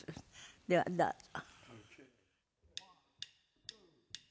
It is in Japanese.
ではどうぞ。